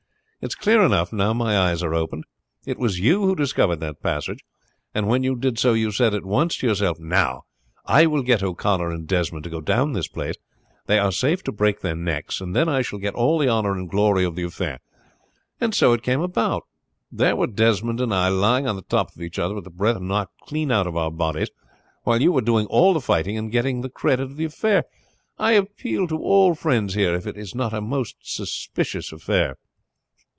"It's clear enough, now my eyes are opened. It was you who discovered that passage, and when you did so you said at once to yourself, now, I will get O'Connor and Desmond to go down this place, they are safe to break their necks, and then I shall get all the honor and glory of the affair. And so it came about. There were Desmond and I lying on the top of each other with the breath knocked clean out of our bodies, while you were doing all the fighting and getting the credit of the affair. I appeal to all friends here if it is not a most suspicious affair."